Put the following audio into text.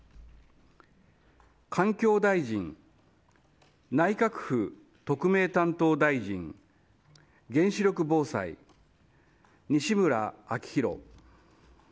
環境大臣、内閣府特命担当大臣原子力防災、西村明宏。